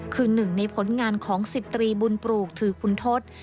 คือหนึ่งในผลงานของ๑๐ตรีบุญปลูกถือคุณทศ